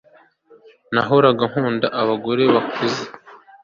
Nahoraga nkunda abagore bakuze